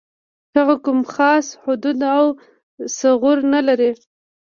هغه کوم خاص حدود او ثغور نه لري.